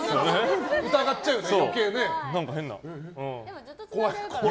疑っちゃうよね、余計。